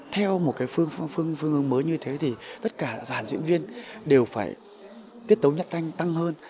theo một cái phương ứng mới như thế thì tất cả giàn diễn viên đều phải tiết tấu nhắc tanh